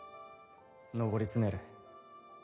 上り詰める。